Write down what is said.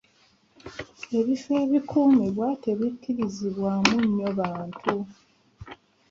Ebifo ebikumibwa tebikirizibwamu nnyo bantu.